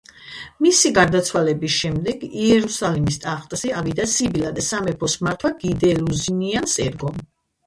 მისი გარდაცვალების შემდეგ, იერუსალიმის ტახტზე ავიდა სიბილა და სამეფოს მართვა გი დე ლუზინიანს ერგო.